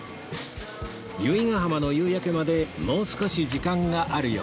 由比ガ浜の夕焼けまでもう少し時間があるようです